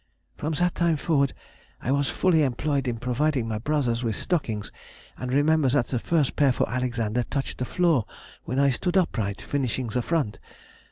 "From that time forward I was fully employed in providing my brothers with stockings, and remember that the first pair for Alexander touched the floor when I stood upright finishing the front.